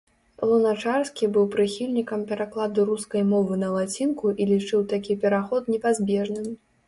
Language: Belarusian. Луначарскі быў прыхільнікам перакладу рускай мовы на лацінку і лічыў такі пераход непазбежным.